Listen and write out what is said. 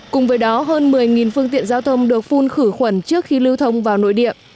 cùng với đó hơn một mươi phương tiện giao thông được phun khử khuẩn trước khi lưu thông vào nội địa